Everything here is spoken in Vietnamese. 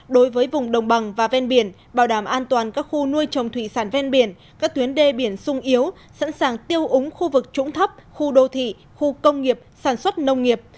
đối với vùng đồng bằng và ven biển bảo đảm an toàn các khu nuôi trồng thủy sản ven biển các tuyến đê biển sung yếu sẵn sàng tiêu úng khu vực trũng thấp khu đô thị khu công nghiệp sản xuất nông nghiệp